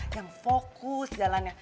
yang fokus jalannya